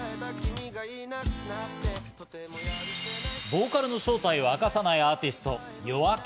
ボーカルの正体を明かさないアーティスト・ＹＯＡＫＥ。